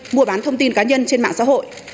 mua bán thông tin cá nhân trên mạng xã hội